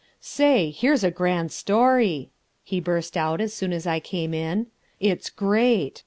"Say, here's a grand story," he burst out as soon as I came in; "it's great!